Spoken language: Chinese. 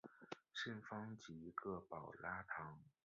圣方济各保拉堂。